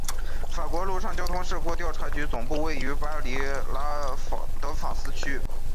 法国陆上交通事故调查局总部位于巴黎拉德芳斯区。